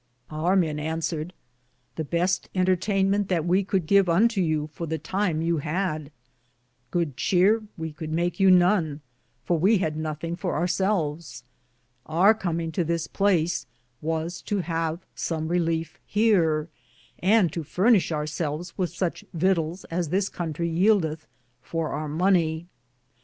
39 Our men answeared : The beste Entertainmente that we could give unto yow for the time yovv had ; good cheare we could mak yow none, for we had nothinge for our selves; our cominge to this place was to haue some Relefe heare, and to furnishe our selves with suche vitals as this contrie yeldethe for our monye.